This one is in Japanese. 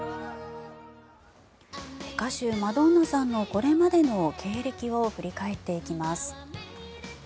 歌手マドンナさんのこれまでの経歴を振り返っていきます。